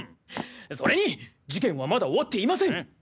それに事件はまだ終わっていません。